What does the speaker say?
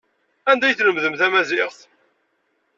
Anda ay tlemdem tamaziɣt?